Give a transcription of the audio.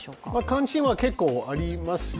関心は結構ありますよ。